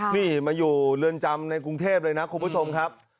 นี่มาอยู่เรือนจำในกรุงเทพเลยนะคุณผู้ชมครับ